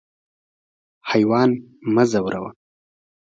حیوان مه ځوروه.